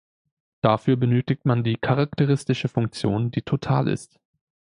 Dafür benötigt man die charakteristische Funktion, die total ist.